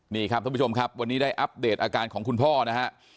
นี่ครับท่านผู้ชมครับวันนี้ได้อัปเดตอาการของคุณพ่อนะฮะ